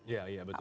ya ya betul